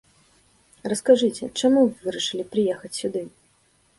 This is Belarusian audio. Раскажыце, чаму вы вырашылі прыехаць сюды?